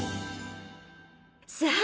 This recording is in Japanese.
［さあ